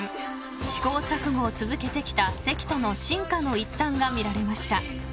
［試行錯誤を続けてきた関田の進化の一端が見られました］